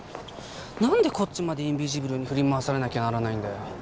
何でこっちまでインビジブルに振り回されなきゃならないんだよ